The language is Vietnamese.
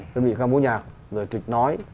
rồi kịch nói